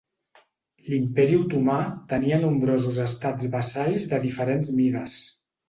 L'imperi Otomà tenia nombrosos estats vassalls de diferents mides.